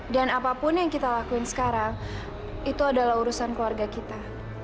dan apapun yang kita lakuin sekarang itu adalah urusan keluarga kita